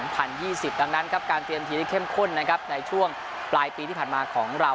ดังนั้นการเตรียมทีมได้เข้มข้นในช่วงปลายปีที่ผ่านมาของเรา